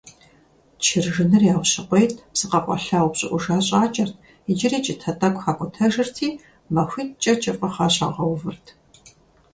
чыржыныр яущыкъуейт, псы къэкъуэлъа упщIыIужа щIакIэрт, иджыри кIытэ тIэкIу хакIутэжырти, махуиткIэ кIыфIыгъэ щагъэувырт.